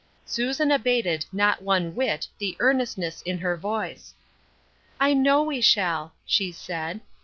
Susan abated not one whit the earnestness in her voice. " I know we shall," she said.